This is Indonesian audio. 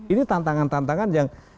ini tantangan tantangan yang